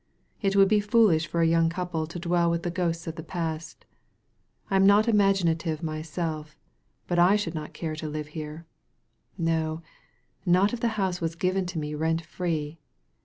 ''It would be foolish for a young couple to dwell with the ghosts of the past I am not imaginative myself, but I should not care to live here ; no, not if the house was given to me rent free.